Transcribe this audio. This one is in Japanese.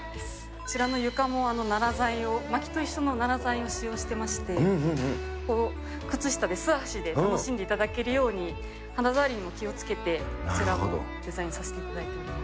こちらの木も、ナラ材を、まきと一緒のナラ材を使用してまして、靴下で、素足で、楽しんでいただけるように、肌触りも気をつけて、こちらをデザインさせていただいております。